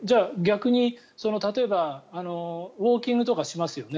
例えばウォーキングとかしますよね。